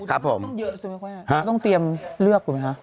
ครับผมต้องเตรียมเลือกหรือไหมคะ